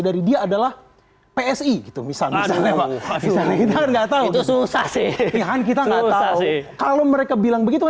dari dia adalah psi itu misalnya misalnya tahu susah sih kalau mereka bilang begitu